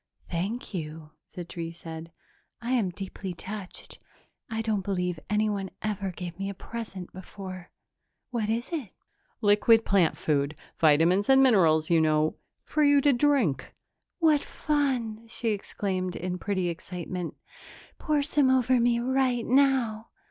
"Thank you," the tree said. "I am deeply touched. I don't believe anyone ever gave me a present before. What is it?" "Liquid plant food vitamins and minerals, you know. For you to drink." "What fun!" she exclaimed in pretty excitement. "Pour some over me right now!"